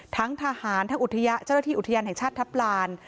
ทั้งทหารทั้งอุทยาเจ้าที่อุทยานหักชาติทัพพราน